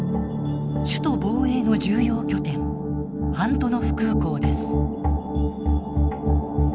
首都防衛の重要拠点アントノフ空港です。